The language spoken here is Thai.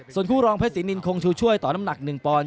ส่วนคู่รองเพชรศรีนินคงชูช่วยต่อน้ำหนัก๑ปอนด